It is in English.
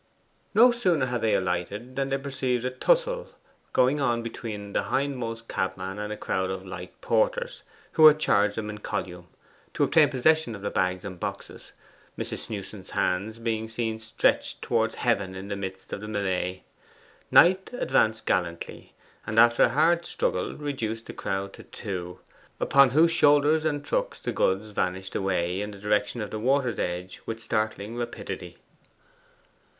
No sooner had they alighted than they perceived a tussle going on between the hindmost cabman and a crowd of light porters who had charged him in column, to obtain possession of the bags and boxes, Mrs. Snewson's hands being seen stretched towards heaven in the midst of the melee. Knight advanced gallantly, and after a hard struggle reduced the crowd to two, upon whose shoulders and trucks the goods vanished away in the direction of the water's edge with startling rapidity.